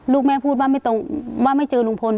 ลูกแม่พูดว่าไม่เจอลุงพล